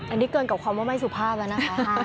อันนี้เกินกับคำว่าไม่สุภาพแล้วนะคะ